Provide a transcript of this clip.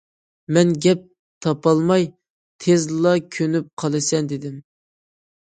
مەن گەپ تاپالماي،« تېزلا كۆنۈپ قالىسەن» دېدىم.